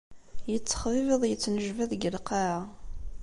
Yettexbibiḍ, yettnejbad deg lqaɛa.